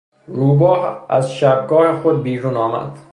روباه از شبگاه خود بیرون آمد.